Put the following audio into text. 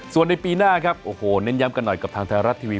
ส่วนในปีหน้าครับโอ้โหเน้นย้ำกันหน่อยกับทางไทยรัฐทีวี